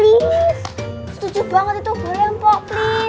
setuju banget itu boleh mpo please